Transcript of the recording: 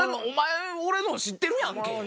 お前俺の知ってるやんけ。